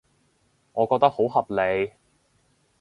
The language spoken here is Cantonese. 我覺得好合理